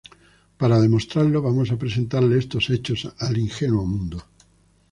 Para demostrarlo vamos a presentarle estos hechos al ingenuo mundo.